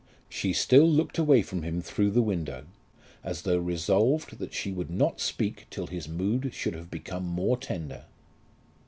She still looked away from him through the window, as though resolved that she would not speak till his mood should have become more tender.